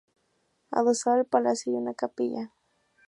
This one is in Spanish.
Adosada al palacio hay una capilla.